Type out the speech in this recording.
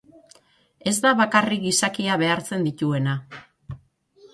Ez da bakarrik gizakia behartzen dituena.